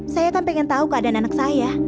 saya kan pengen tahu keadaan anak saya